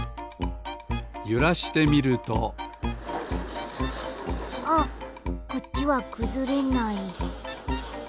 ゆらしてみるとあっこっちはくずれない。